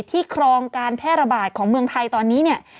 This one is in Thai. ครองการแพร่ระบาดของเมืองไทยตอนนี้เนี่ย